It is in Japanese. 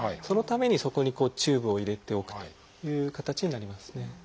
そのためにそこにチューブを入れておくという形になりますね。